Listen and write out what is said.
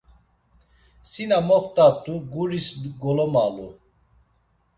Si na moxt̆at̆u guris golomalu.